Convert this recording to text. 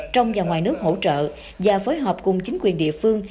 trong và ngoài nước hỗ trợ và phối hợp cùng chính quyền địa phương